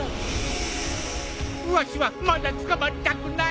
わしはまだ捕まりたくない！